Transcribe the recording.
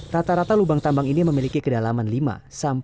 rata rata lubang tambang ini memiliki kedalaman lima sampai tiga puluh meter